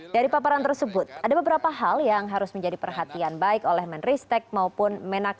dari paparan tersebut ada beberapa hal yang harus menjadi perhatian baik oleh menristek maupun menaklu